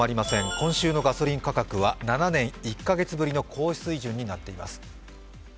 今週のガソリン価格は７年１カ月ぶりの高水準になっています。